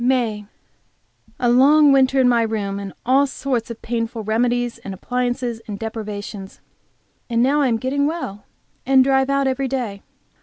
MAY. A long winter in my room, and all sorts of painful remedies and appliances and deprivations. And now I am getting well, and drive out every day.